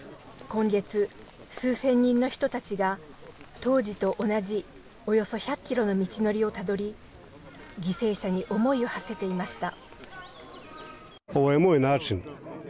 今月、数千人の人たちが当時と同じおよそ１００キロの道のりをたどり犠牲者に思いをはせていました。